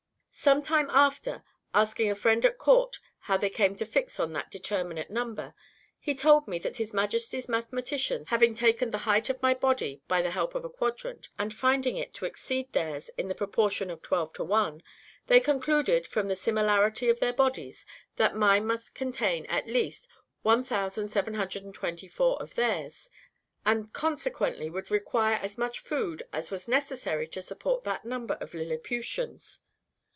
Some time after, asking a friend at court how they came to fix on that determinate number; he told me that his Majesty's mathematicians, having taken the height of my body by the help of a quadrant, and finding it to exceed theirs in the proportion of twelve to one, they concluded, from the similarity of their bodies, that mine must contain, at least, 1724 of theirs, and, consequently, would require as much food as was necessary to support that number of Lilliputians.